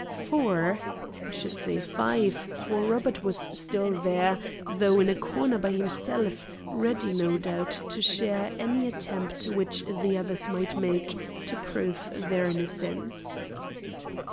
Four? I should say five, for Robert was still there, though in a corner by himself, ready, no doubt, to share any attempt which the others might make to prove their innocence.